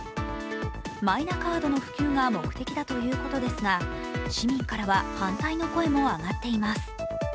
マイナカードの普及が目的だということですが市民からは反対の声も上がっています。